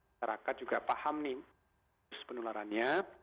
masyarakat juga paham nih penularannya